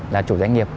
là chủ doanh nghiệp